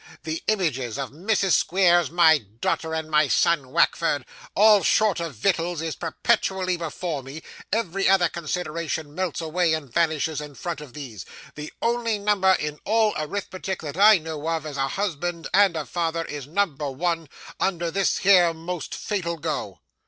The images of Mrs. Squeers, my daughter, and my son Wackford, all short of vittles, is perpetually before me; every other consideration melts away and vanishes, in front of these; the only number in all arithmetic that I know of, as a husband and a father, is number one, under this here most fatal go!